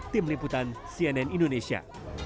tim liputan cnn indonesia